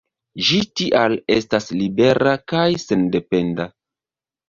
Ĝi tial estas libera kaj sendependa.